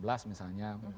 kelas delapan misalnya